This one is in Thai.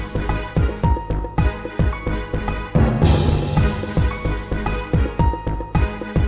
ติดตามต่อไป